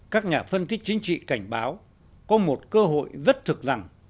các nhà phân tích chính trị cảnh báo có một cơ hội rất thực rằng